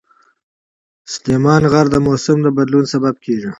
سلیمان غر د موسم د بدلون سبب کېږي.